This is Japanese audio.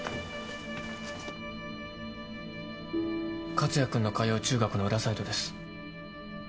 克哉君の通う中学の裏サイトです。